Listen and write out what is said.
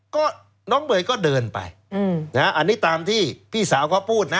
ก็น้องเบยก็เดินไปอันนี้ตามที่พี่สาวเขาพูดนะ